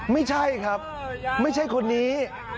ไม่ใช่ครับไม่ใช่คนนี้